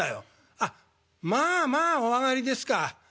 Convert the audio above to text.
「あっ『まあまあお上がり』ですか。